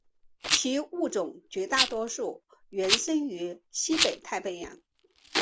其物种绝大多数原生于西北太平洋。